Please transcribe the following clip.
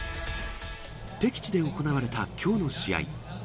敵地で行われたきょうの試合。